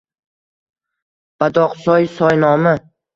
Badoqsoy – soy nomi.